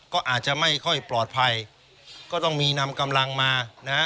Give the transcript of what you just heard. ก็อาจจะไม่ค่อยปลอดภัยก็ต้องมีนำกำลังมานะฮะ